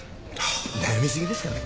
悩みすぎですかね？